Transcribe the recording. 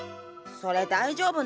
それ大丈夫なん？